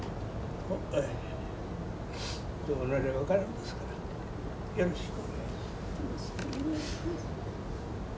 どうなるか分からんですからよろしくお願いします。